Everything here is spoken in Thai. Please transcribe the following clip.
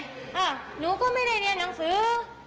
หนูก็ไม่ได้เรียนหนังสือ